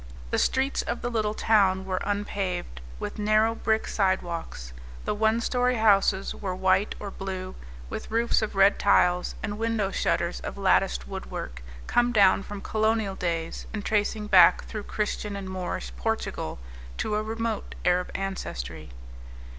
The streets of the little town were unpaved, with narrow brick sidewalks. The one story houses were white or blue, with roofs of red tiles and window shutters of latticed woodwork, come down from colonial days and tracing back through Christian and Moorish Portugal to a remote Arab ancestry.